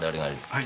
はい。